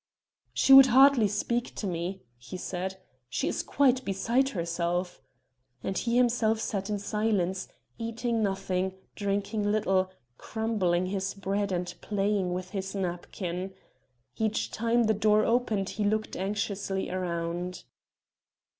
"She would hardly speak to me," he said; "she is quite beside herself." And he himself sat in silence, eating nothing, drinking little, crumbling his bread and playing with his napkin. Each time the door opened he looked anxiously round.